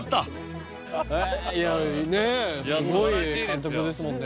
ねえすごい監督ですもんね